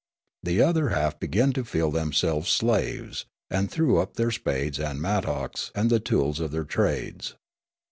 The other half began to feel themselves slaves, and threw up their spades and mattocks and the tools of their trades.